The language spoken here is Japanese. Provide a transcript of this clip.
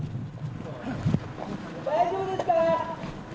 大丈夫ですか？